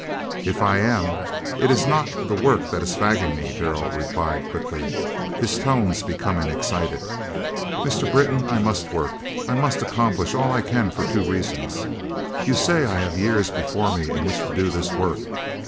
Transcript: "If I am, it is not the work that is fagging me," Darrell replied, quickly, his tones becoming excited; "Mr. Britton, I must work; I must accomplish all I can for two reasons. You say I have years before me in which to do this work.